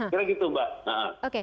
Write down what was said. kira gitu mbak